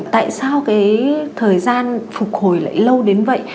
tại sao cái thời gian phục hồi lại lâu đến vậy